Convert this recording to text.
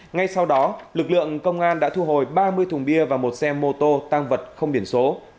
ngay sau đó lực lượng công an đã thu hồi ba mươi thùng bia và một xe mô tô tăng vật không biển số